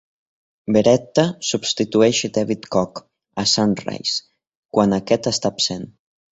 Beretta, substitueix David Koch a Sunrise, quan aquest està absent.